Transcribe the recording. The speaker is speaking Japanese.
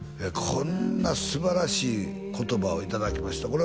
こんな素晴らしい言葉をいただきました